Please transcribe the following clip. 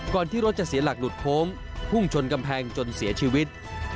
ที่รถจะเสียหลักหลุดโค้งพุ่งชนกำแพงจนเสียชีวิต